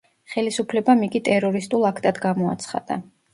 ხელისუფლებამ იგი ტერორისტულ აქტად გამოაცხადა.